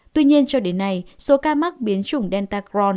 tuy nhiên cho đến nay số ca mắc biến chủng delta cron